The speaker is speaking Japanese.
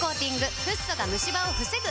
フッ素がムシ歯を防ぐ！